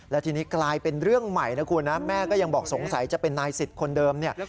และทีนี้กลายเป็นเรื่องใหม่นะคุณนะแม่ก็ยังบอกสงสัยจะเป็นนายสิทธิ์คนเดิมเนี่ย